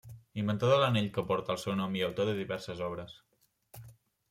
Inventor de l'anell que porta el seu nom i autor de diverses obres.